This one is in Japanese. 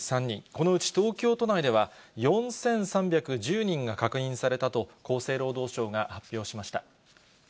このうち、東京都内では４３１０人が確認されたと、厚生労働省が発表しました。